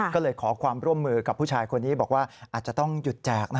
ก็เลยขอความร่วมมือกับผู้ชายคนนี้บอกว่าอาจจะต้องหยุดแจก